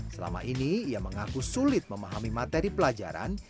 selama ini ia mengaku sulit memahami materi pelajaran